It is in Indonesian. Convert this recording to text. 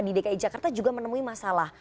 di dki jakarta juga menemui masalah